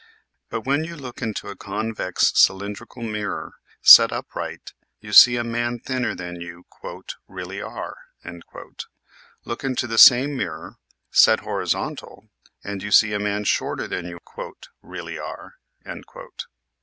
But when you look into a convex cylindrical mirror set up right you see a man thinner than you " really are." Look into the same mirror set horizontal and you see a man shorter than you " really are."